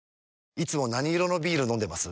いつも何色のビール飲んでます？